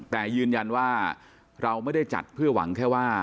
แต่ยืนยันว่าเราไม่ได้จัดเพื่อหวังแค่ว่า